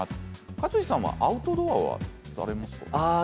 勝地さんはアウトドアはされるんですか？